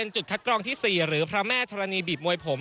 จุดคัดกรองที่๔หรือพระแม่ธรณีบีบมวยผม